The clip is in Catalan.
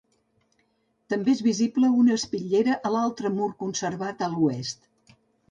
També és visible una espitllera a l'altre mur conservat a l'oest.